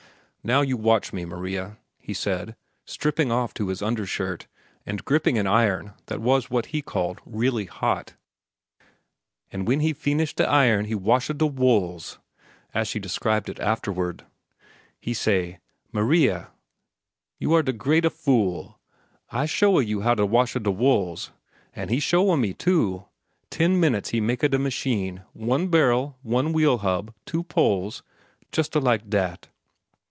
"Now you watch me, Maria," he said, stripping off to his undershirt and gripping an iron that was what he called "really hot." "An' when he feenish da iron' he washa da wools," as she described it afterward. "He say, 'Maria, you are da greata fool. I showa you how to washa da wools,' an' he shows me, too. Ten minutes he maka da machine—one barrel, one wheel hub, two poles, justa like dat."